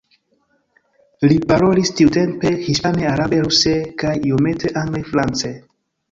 Li parolis tiutempe hispane, arabe, ruse kaj iomete angle, france.